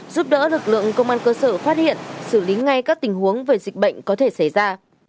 giúp đỡ lực lượng công an cơ sở phát hiện xử lý ngay các tình huống về dịch bệnh có thể xảy ra